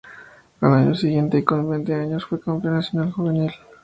Al año siguiente y con veinte años fue campeón nacional juvenil.